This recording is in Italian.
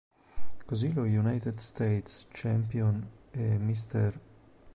Così lo United States Champion e Mr.